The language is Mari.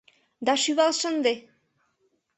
Да шӱвал шынде!